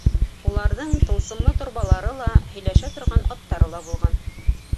Уларҙың тылсымлы торбалары ла, һөйләшә торған аттары ла булған.